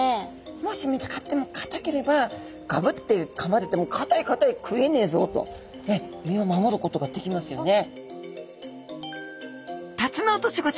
もし見つかってもかたければガブってかまれてもかたいかたい食えねえぞと身を守ることができますよね。